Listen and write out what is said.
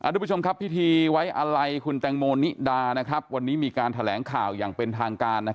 ทุกผู้ชมครับพิธีไว้อะไรคุณแตงโมนิดาวันนี้มีการแถลงข่าวอย่างเป็นทางการ